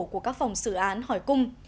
của các phòng xử án hỏi cung